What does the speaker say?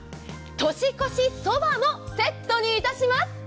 年越しそばもセットにいたします。